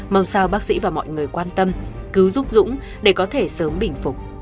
mong sao bác sĩ và mọi người quan tâm cứu giúp dũng để có thể sớm bình phục